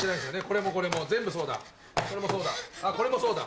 これもこれも全部そうだこれもそうだあっこれもそうだ。